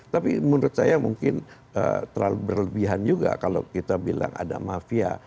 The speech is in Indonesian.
tapi menurut saya mungkin terlalu berlebihan juga kalau kita bilang ada mafia